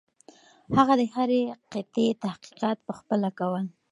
هغه د هرې قطعې تحقیقات پخپله کول.